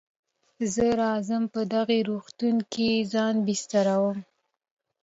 زه راځم په دغه روغتون کې ځان بستروم.